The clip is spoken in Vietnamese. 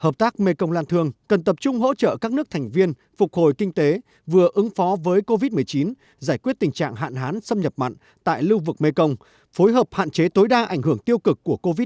hợp tác mekong lan thương cần tập trung hỗ trợ các nước thành viên phục hồi kinh tế vừa ứng phó với covid một mươi chín giải quyết tình trạng hạn hán xâm nhập mặn tại lưu vực mekong phối hợp hạn chế tối đa ảnh hưởng tiêu cực của covid một mươi chín